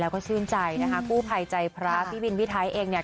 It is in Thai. แล้วก็ชื่นใจนะคะกู้ภัยใจพระพี่วินพี่ไทยเองเนี่ย